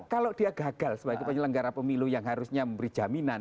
kalau dia gagal sebagai penyelenggara pemilu yang harusnya memberi jaminan